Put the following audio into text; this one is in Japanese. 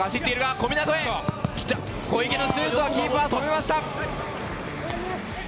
小池のシュートはキーパー、止めました。